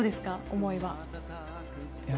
思いは。